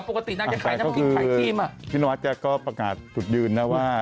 รู้ว่าเหงานั่งกูเหงาปกตินั่งจะไข่พี่นวัตเจอก็ประกาศถูกยืนนะว่า